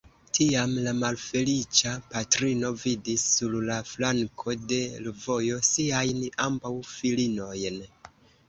Tiam la malfeliĉa patrino vidis, sur la flanko de l' vojo, siajn ambaŭ filinojn.